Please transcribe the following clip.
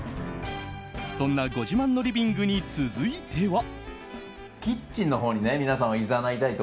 そんなご自慢のリビングに続いては。